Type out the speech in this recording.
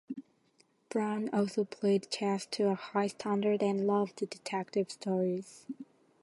Brown also played chess to a high standard and loved detective stories.